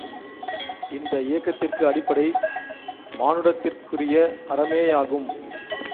இந்த இயக்கத்திற்கு அடிப்படை மானுடத்திற்குரிய அறமேயாகும்.